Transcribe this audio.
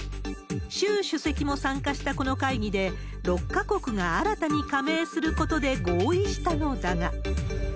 習主席も参加したこの会議で、６か国が新たに加盟することで合意したのだが。